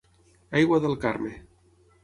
Aigua del Carme.